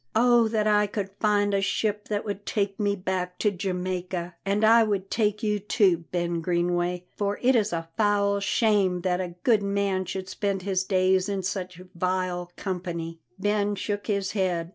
Oh, that I could find a ship that would take me back to Jamaica! And I would take you too, Ben Greenway, for it is a foul shame that a good man should spend his days in such vile company." Ben shook his head.